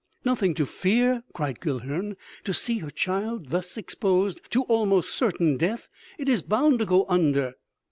"Nothing to fear!" cried Guilhern. "To see her child thus exposed to almost certain death ... it is bound to go under...."